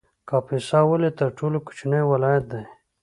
کاپیسا ولې تر ټولو کوچنی ولایت دی؟